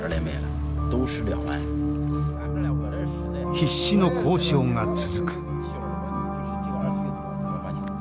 必死の交渉が続く。